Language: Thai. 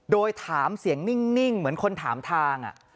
โดยถามเสียงนิ่งเหมือนคนถามทาง